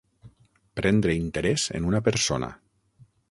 Prendre interès en una persona.